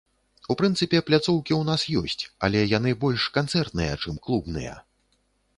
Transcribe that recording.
У прынцыпе пляцоўкі ў нас ёсць, але яны больш канцэртныя, чым клубныя.